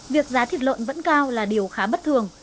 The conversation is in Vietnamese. việc giá thịt lợn vẫn cao là điều khá bất thường